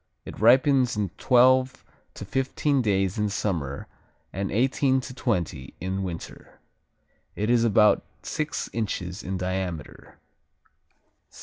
It ripens in twelve to fifteen days in summer, and eighteen to twenty in winter. It is about six inches in diameter.